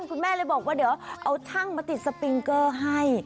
คุณแม่เลยบอกว่าเดี๋ยวเอาช่างมาติดสปิงเกอร์ให้